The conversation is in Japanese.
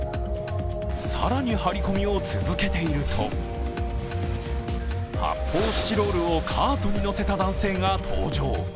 更に張り込みを続けていると発泡スチロールをカートに載せた男性が登場。